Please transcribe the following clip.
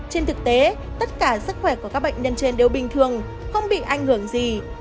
trên thực tế tất cả sức khỏe của các bệnh nhân trên đều bình thường không bị ảnh hưởng gì